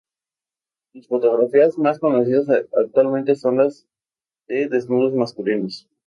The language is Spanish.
Sus fotografías más conocidas actualmente son las de desnudos masculinos.